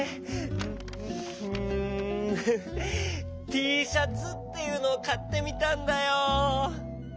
Ｔシャツっていうのをかってみたんだよ。